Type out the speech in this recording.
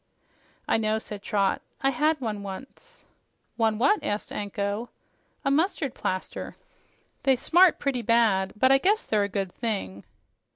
"I know," said Trot. "I had one, once." "One what?" asked Anko. "A mustard plaster. They smart pretty bad, but I guess they're a good thing."